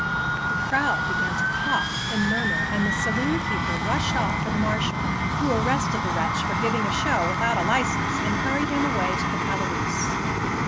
The crowd began to cough and murmur, and the saloon keeper rushed off for the marshal, who arrested the wretch for giving a show without a license and hurried him away to the calaboose.